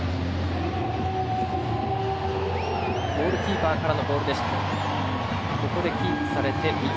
ゴールキーパーからのボールでした。